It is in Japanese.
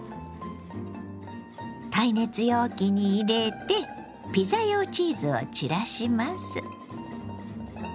耐熱容器に入れてピザ用チーズを散らします。